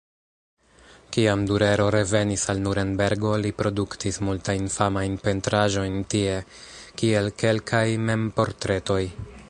Kiam Durero revenis al Nurenbergo li produktis multajn famajn pentraĵojn tie, kiel kelkaj mem-portretoj.